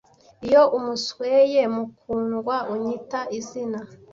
iyo umusweye mukundwa unyita izina